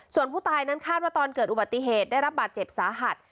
ส่วนผู้ตายนั้นคาดว่าตอนเกิดอุบัติเหตุได้รับบาดเจ็บสาหัส